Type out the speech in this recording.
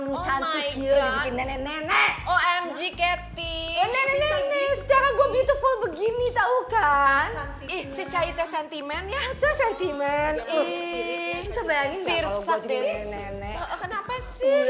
bikin nenek nenek omg ketik ini tahu kan sentiment sentiment